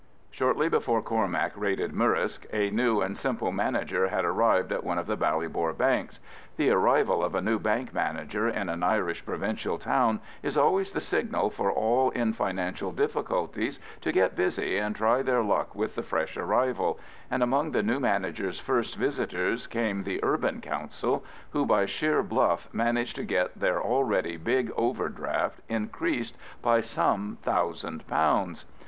Shortly before Cormac raided Murrisk, a new and simple manager had arrived at one of the Ballybor banks. The arrival of a new bank manager in an Irish provincial town is always the signal for all in financial difficulties to get busy and try their luck with the fresh arrival, and amongst the new manager's first visitors came the Urban Council, who by sheer bluff managed to get their already big overdraft increased by some thousand pounds.